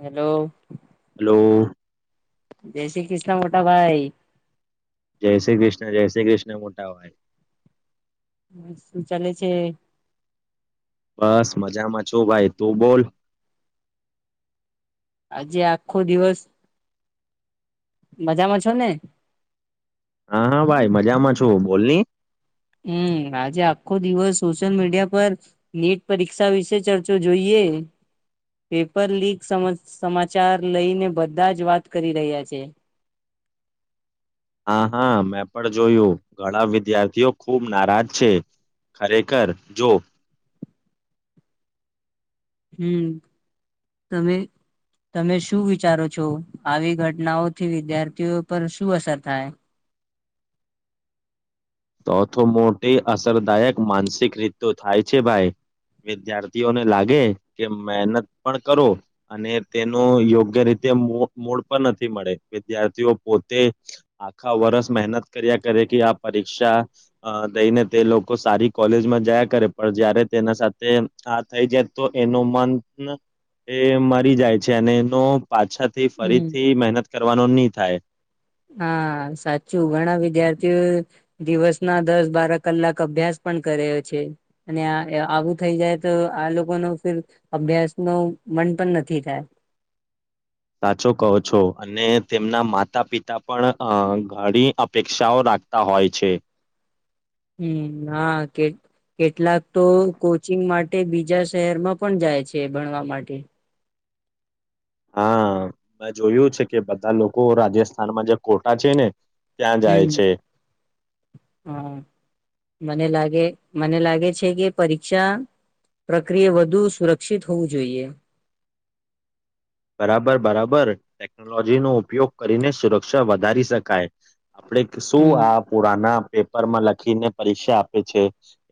Hello. Hello જય શ્રી કૃષ્ણ મોટાભાઈ. જય શ્રી કૃષ્ણ જય શ્રી કૃષ્ણ મોટા ભાઈ. શું ચલે છે. બસ મજામાં છો ભાઈ તું બોલ. આજે આખો દિવસ મજામાં છો ને. હા હા ભાઈ મજામાં છો બોલની. હમ આજે આખો દિવસ સોશિયલ મીડિયા પર નીટ પરીક્ષા વિશે ચર્ચો જોઈએ પેપર લીક સમાચાર લઈને બધા જ વાત કરી રહ્યા છે. હા હા મેં પણ જોયું. ઘણા વિદ્યાર્થીઓ ખુબ નારાજ છે ખરેખર જો. હમ તમે તમે શું વિચારો છો આવી ઘટનાઓથી વિદ્યાર્થીઓ પર શું અસર થાય. ચૌથ મોટી અસરદાયક માનસિક રીત થાય છે ભાઈ વિદ્યાર્થીઓને લાગે કે મહેનત પણ કરો અને તેનું યોગ્ય રીતે મૂળ પણ નથી મળે વિદ્યાર્થીઓ પોતે આખા વર્ષ મહેનત કર્યા કરે કે આ પરીક્ષા. દઈને તે લોકો સારી કોલેજમાં જયા કરે પણ જયારે તેના સાથે આ થઈ જાય તો એનો મન એ મરી જાય છે અને એનો પાછા. થી હમ ફરીથી મહેનત. કરવાનો નહી થાય. હા સાચું ઘણા વિદ્યાર્થીઓ દિવસ ના દસ બાર કલાક અભ્યાસ પણ કરે છે અને આવું થઈ જાય તો આ લોકો ન ફર અભ્યાસ ન મન પણ નથી થાય. સાચો કહો છો અને તેમના માતા પિતા પણ અ ઘણી અપેક્ષાઓ રાખતા હોય છે. હમ હા કે કેટલાક તો કોચિંગ માટે બીજા શહેરમાં પણ જાય છે ભણવા માટે. હા મેં જોયું છે કે બધા લોકો રાજસ્થાનમાં જે કોટા છે ને. ત્યાં જાય હમ છે હમ. [unintelligible] મને લાગે મને લાગે છે કે પરીક્ષા પ્રક્રિયા વધુ સુરક્ષિત હોવું જોઈએ. બરાબર બરાબર ટેકનોલોજીનોો ઉપયોગ કરીને સુરક્ષા વધારી શકાય. આપણેે શું હમ આ પુરાના. પેપરમાં લખીને પરીક્ષા આપે છે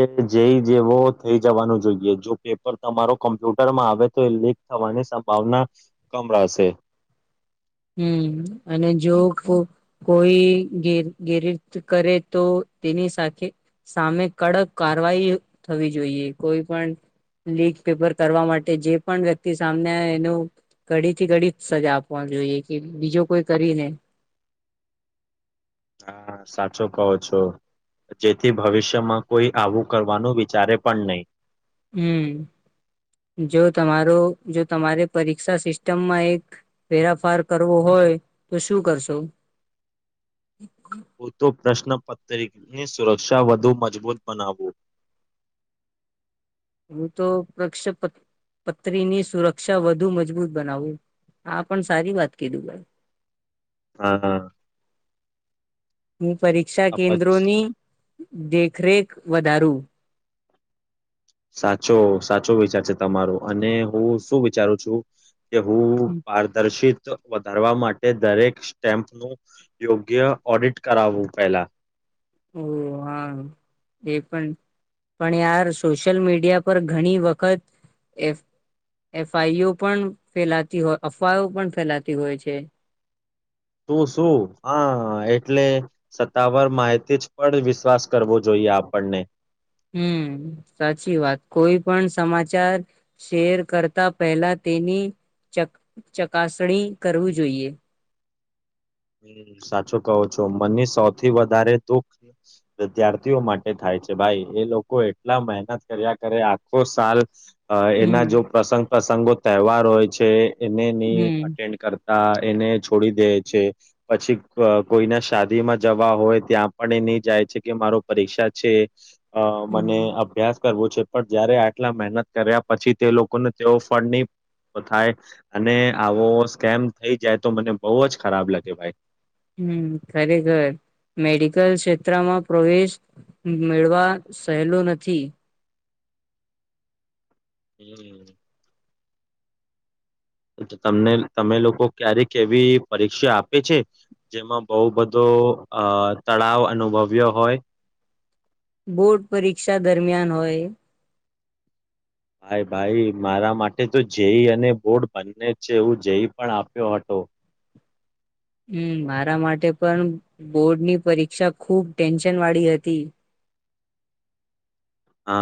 એ જે જેવો થઈ જવાનું જોઈએ જો પેપર તમારો કમ્પ્યુટરમાં આવે તો એ લીક થવાની સંભાવના. કામડાશે. હમ અને જો કોઈ ગેરી કરે તો તેની સાથે સામે કડક કારવાહી થવી જોઈએ કોઈ પણ લીક પેપર કરવા માટે જે પણ વ્યક્તિ સામને એનું ઘડી થી ઘડી સજા આપવા જોઈએ. કે બીજો કોઈ કરીને. હા સાચો કહો છો જેથી ભવિષ્યમાં કોઈ આવું કરવાનું વિચારે પણ નહી. હમ જો તમારો જો તમારે પરીક્ષા સિસ્ટમમાં એક ફેરાફાર કરવો હોય તો શું કરશો. હ તો પ્રશ્ન પત્ર. તરીની સુરક્ષા વધુ મજબૂત બનાવવું. હું તો પક્ષ પત્રીની સુરક્ષા વધુ મજબૂત બનાવું આ પણ સારી વાત કીધું ભાઈ. હા હા [unintelligible] હું પરીક્ષા અપચ કેન્દ્રોની. દેખરેખ વધારું. સાચો સાચો વિચાર છે તમારો અને હું શું વિચારું છું. તે હું પારદર્શિ વધારવા માટે દરેક સ્ટેમ્પનું યોગ્ય ઓડિટ કરાવવું પહેલા ઓ હા એ પણ પણ યાર સોશિયલ મીડિયા પર ઘણી વખત એ એફઆઈઓ પણ ફેલાતી હોય અફવાઓ પણ ફેલાતી હોય છે. તું શું હા એટલે સત્તાવાર માહિતી જ પણ વિશ્વાસ કરવો જોઈએ આપણને હમ સાચી વાત કોઈ પણ સમાચાર શેર કરતા પહેલા તેની ચક ચકાસણી કરવું જોઈએ. સાચું કહો છો મનની સૌથી વધારે દુખ વિદ્યાર્થીઓ માટે થાય છે ભાઈ એ લોકો એટલા મહેનત કર્યા કરે આખો સાલ અ હમ એના જો પ્રસંગ પ્રસંગો તહેવાર હોય છે. એને ની હમ અટન્ડ કર આ એને છોડી દે છે. પછી અ કોઈના શાદીમાં જવા હોય ત્યાં પણ એ ની જાય છે કે મારો પરીક્ષા છે. અ મને હમ અભ્યાસ કરવું છે પણ જયારે આટલા મહેનત કર્યા પછી તે લોકોને તેવ ફડ ની થાય અને આવો સ્કેમ થઈ જાય તો મને બોવ જ ખરાબ લા ગે ભાઈ હમ ખરેખર મેડિકલ ક્ષેત્રમાં પ્રવેશ મેળવા સહેલું નથી. [inaudible] તમને તમે લોકો ક્યારેક એવી પરીક્ષા આપે છે જેમાં બોવ બધો અ તળાવ અનુભવ્યો હોય બોર્ડ પરીક્ષા દરમિયાન હોય ભાઈ ભાઈ મારા માટે તો જેઈ અને બોર્ડ બંને જ છે એવું જેઈ પણ આપ્યો હતો હમ મારા માટે પણ બોર્ડની પરીક્ષા ખુબ ટેન્શન વાળી હતી. અ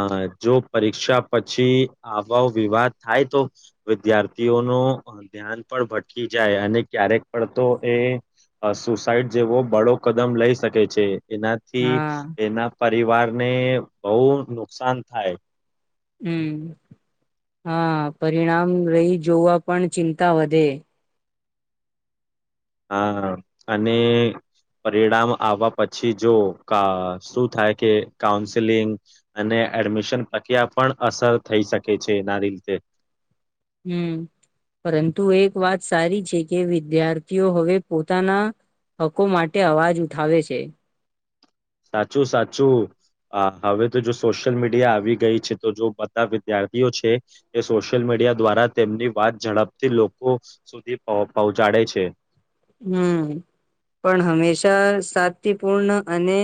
જો પરીક્ષા પછી આ [unintelligible] વિવાદ થાય તો વિદ્યાર્થીઓનો ધ્યાન પણ ભટકી જાય અને ક્યારેક પણ તો એ અ સુસાઈડ જેવો બળો કદમ લઈ શકે છે. એનાથી હા એના પરિવાર ને બોવ નુકસાન થાય હમ હા પરિણામ રહી જોવા પણ ચિંતા વધે હા અને પરિણામ આવવા પછી જો અ શું થાય કે કાઉન્સેલિંગ અને એડમિશન પ્રક્રિયા પણ અસર થઈ શકે છે એના રીતે હમ પરંતુ એક વાત સારી છે કે વિદ્યાર્થીઓ હવે પોતાના હકો માટે અવાજ ઉઠાવે છે. સાચું સાચું હવે તો જો સોશિયલ મીડિયા આવી ગઈ છે તો જો બધા વિદ્યાર્થીઓ છે એ સોશિયલ મીડિયા દ્વારા તેમની વાત ઝડપથી લોકો સુધી પો પહોંચાડે છે. હમ પણ હંમેશા શાતીપૂર્ણ અને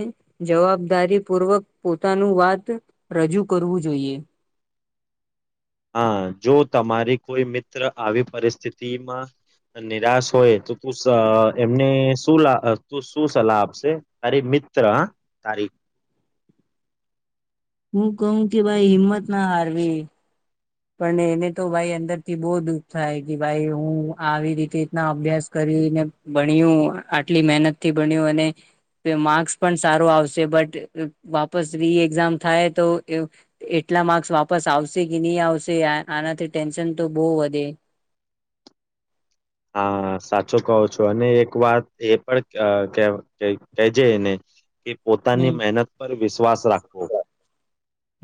જવાબદારી પૂર્વક પોતાનું વાત રજૂ કરવું જોઈએ. હા જો તમારી કોઈ મિત્ર આવી પરિસ્થિતિમાં નિરાશ હોય તો તું અ એમને શું તું શું સલાહ આપશે તારી મિત્ર હા તારી હું કહું કે ભાઈ હિંમત ના હારવી પણ એને તો ભાઈ અંદરથી બો દુઃખ થાય કે ભાઈ હું આવી રીતે રીતના અભ્યાસ કરીને ભણ્યું આટલી મહેનત થી ભણ્યું અને માર્ક્સ પણ સારો આવશે બટ વાપસ રી એક્ઝામ થાય તો એ એટલા માર્કસ વાપસ આવશે કે ની આવશે તે આ આનાથી ટેન્શન તો બો વધે હા સાચો કહો છો અને એક વાત એ પણ અ કે કે જે એને કે હમ પોતાની મહેનત પર વિશ્વાસ રાખવો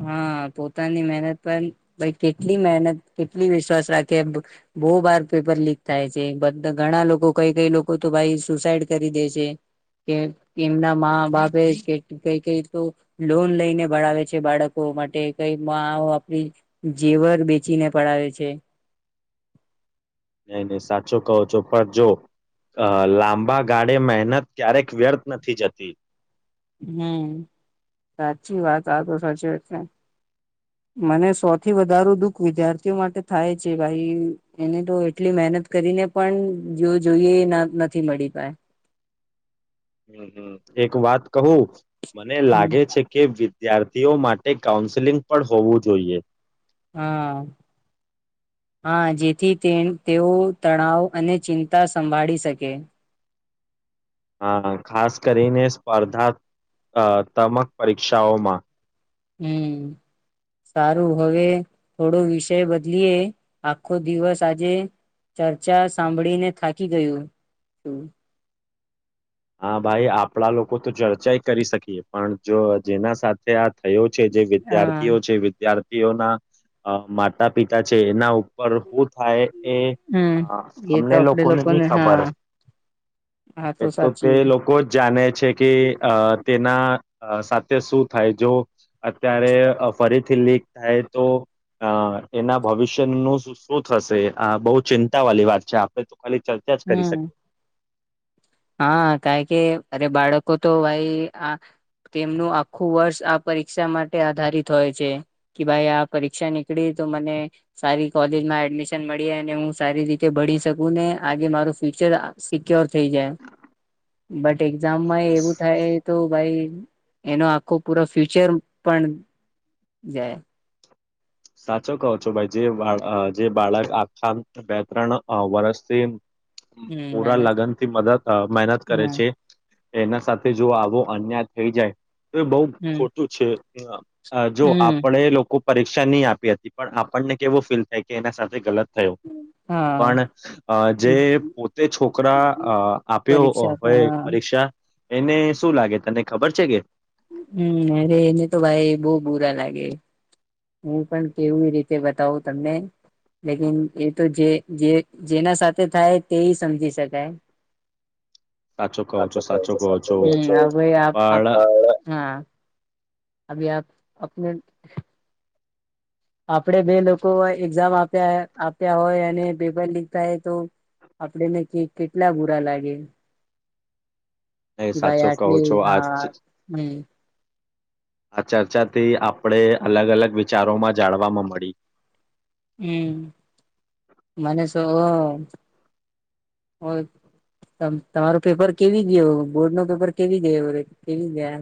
હા પોતાની મહેનત પણ ભાઈ કેટલી મહેનત કેટલી વિશ્વાસ રાખે બો વાર પેપર લીક થાય છે બધા ઘણા લોકો કઈ કઈ લોકો તો ભાઈ સુસાઈડ કરી દે છે કે એમના મા બાપે કઈ કઈ તો લોન લઈને ભણાવે બાળકો માટે કઈ આ આપણી જેવર બેચીને પડાવે છે. નય નય સાચો કહો છો પણ જો અ લાંબા ગાળે મહેનત ક્યારેક વ્યર્થ નથી જતી હમ સાચી વાત આતો સાચી છે મને સૌથી વધારું દુઃખ વિદ્યાર્થીઓ માટે થાય છે ભાઈ એને તો એટલી મહેનત કરીને પણ જો જોઈએ એ ના નથી મળી પાય હમ હમ એક વાત કહું મને હમ લાગે છે કે વિદ્યાર્થીઓ માટે કાઉન્સેલિંગ પણ હોવું જોઈએ. હા હા જેથી તે તેઓ તણાવ અને ચિંતા સંભાળી શકે ખાસ કરીને સ્પર્ધાત્મક પરીક્ષાઓમાં. હમ સારું હવે થોડો વિષય બદલીએ આખો દિવસ આજે ચર્ચા સાંભળીને થાકી ગયુંું. હા ભાઈ આપણા લોકો તો ચર્ચા કરી શકીએ પણ જો જેના સાથે આ. થયો છે જે હા વિદ્યાર્થીઓ છે વિદ્યાર્. ના માતા પિતા છે એના ઉપર શું થાય. એ હમ અ એ તો અમને આપડે નહી લોકોને હા ખબર હા તો સાચી. તે લોકો જ જાણે છે કે અ તેના. સાથે શું થાય જો. અત્યારે ફરીથી લીક. થાય તો એના ભવિષ્યનુંું શું થશે આ બહુ ચિંતા વાળલી વાત છે આપે તો. ખાલી ચર્ચા જ કરી હમ શકે. હા ક કે અરે બાળકો તો ભાઈ આ તેમનું આખું વર્ષ આ પરીક્ષા માટે આધારિત હોય છે કે ભાઈ આ પરીક્ષા નીકળી તો મને સારી કોલેજમાં એડમિશન મળી અને હું સારી રીતે ભળી શકું ને આજે મારું ફ્યુચર સિક્યોર થઈ જાય. બટ [unintelligible] એક્ઝામ માં હા એવું થાય તો. ભાઈ એનો આખો પૂરો ફ્યુચર પણ જાય. સાચો કહો છો ભાઈ જે જે બાળક આખા બે ત્રણ વર્ષથી. હમ પૂરા મહેનત લગ્ન થી મદદ મહેનત હમ કરે છે. એના સાથે જો આવો અન્યાય થઈ જાય. એ બહુ હમ ખોટું છે. હ [unintelligible] અ જો હમ આપણે લોકો. પરીક્ષા નહી આપ. આપી હતી પણ આપણને કેવું ફીલ થાય કે એના સાથે ગલત. થું હા પણ જે પોતે છોકરા આપ્યો પરીક્ષા હોય હા પરીક્ષા. એને શું લાગે તને ખબર છે કે. હમ અરે એને તો ભાઈ બહ બુરા લાગે. હું પણ કેવી રીતે બતાવું તમને લેકન એ તો જે જેના સાથે થાય તે સમજી શકાય. સાચો કહો છો સાચો કહો છો હા પણ અ આપ. આપણે. આપડે બે લોકો એક્ઝામ આપ્યા આપ્યા હોય અને પેપર લીક થાય તો આપડેને કેટલા બુરા લાગે. એ કે ભાઈ સાચો કહો આટલી છો આ. આ ચર્ચાથી આપણે અલગ અલગ વિચારોમાં જાણવામાં મળી. હમ મને તમારું પેપર કેવી ગ બોર્ડ ન પેપર કેવી ગય કેવી ગયા.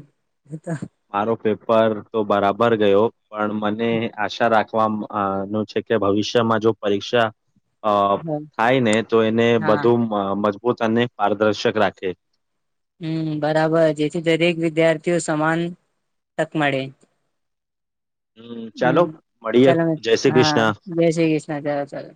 મારો પેપર તો બરાબર ગયો પણ મને આશા રાખી. નું છે કે ભવિષ્યમાં જો પરીક્ષા. અ થાય ને તો એને હા બધું મજ. પોતાને પારદર્શક રાખે. હમ બરાબર જેથી દરેક વિદ્યાર્થીઓ સમાન તક મળે. ચાલો હમ મળીએ ચલો જય શ્રી હા કૃષ્ણ જય શ્રી કૃષ્ણ ચલો ચલો.